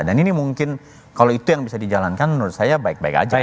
dan ini mungkin kalau itu yang bisa dijalankan menurut saya baik baik saja